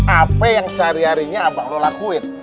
apa yang sehari harinya abang lo lakuin